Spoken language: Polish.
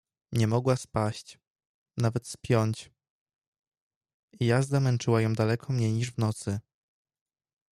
Nie mogła spaść, nawet spiąć, i jazda męczyła ją daleko mniej niż w nocy.